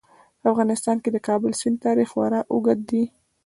په افغانستان کې د کابل سیند تاریخ خورا اوږد دی.